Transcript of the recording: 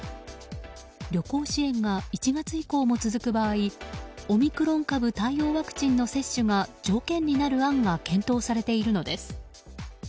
旅行支援が１月以降も続く場合オミクロン株対応ワクチンの接種が条件になる案が検討されているのです。